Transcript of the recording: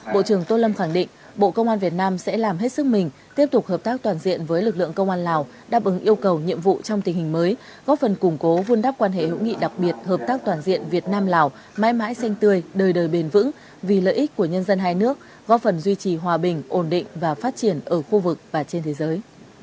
bộ trưởng tô lâm khẳng định bộ công an việt nam sẽ làm hết sức mình tiếp tục hợp tác toàn diện với lực lượng công an lào đáp ứng yêu cầu nhiệm vụ trong tình hình mới góp phần củng cố vun đắp quan hệ hữu nghị đặc biệt hợp tác toàn diện việt nam lào mãi mãi xanh tươi đời đời bền vững vì lợi ích của nhân dân hai nước góp phần duy trì hòa bình ổn định và phát triển ở khu vực và trên thế giới